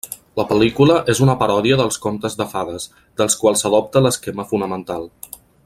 La pel·lícula és una paròdia dels contes de fades, dels quals adopta l'esquema fonamental.